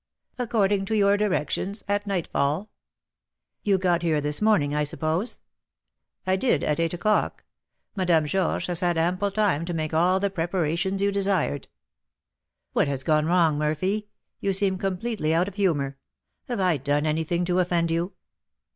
"According to your directions, at nightfall." "You got here this morning, I suppose?" "I did, at eight o'clock. Madame Georges has had ample time to make all the preparations you desired." "What has gone wrong, Murphy? You seem completely out of humour. Have I done anything to offend you?"